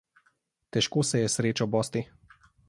Težko se je s srečo bosti.